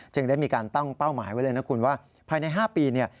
ได้มีการตั้งเป้าหมายไว้เลยนะคุณว่าภายใน๕ปีเนี่ย